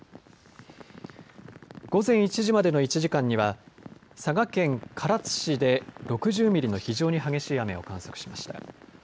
午前１時までの１時間には、佐賀県唐津市で６０ミリの非常に激しい雨を観測しました。